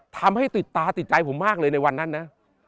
ทำให้ติดตาติดใจผมมากเลยในวันนั้นนะ